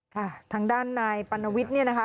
ค่ะทางด้านนายปันวิทย์นี่ค่ะ